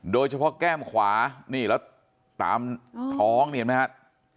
โดยเฉพาะแก้มขวานี่แล้วตามท้องนี่เห็นมั้ยครับ